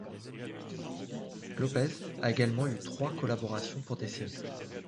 Lopez a également eu trois collaborations pour des séries.